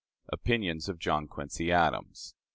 Opinions of John Quincy Adams.